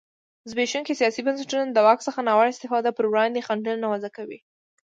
زبېښونکي سیاسي بنسټونه د واک څخه ناوړه استفادې پر وړاندې خنډونه نه وضعه کوي.